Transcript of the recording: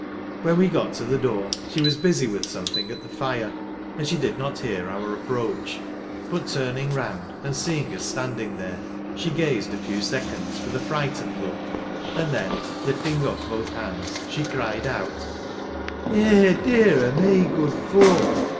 When we got to the door she was busy with something at the fire, and she did not hear our approach. But, turning round, and seeing us standing there, she gazed a few seconds with a frightened look, and then lifting up both hands, she cried out, " Eh, dear o' me, good folk